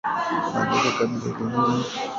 Ma luga ya ma kabila ilianzia ku munara wa babeli